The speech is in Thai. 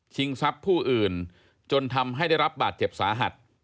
ทรัพย์ผู้อื่นจนทำให้ได้รับบาดเจ็บสาหัส